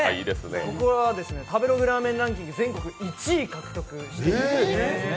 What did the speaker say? ここは食べログラーメンランキングで１位を獲得しています。